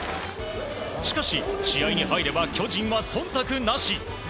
しかし、試合に入れば巨人はそんたくなし。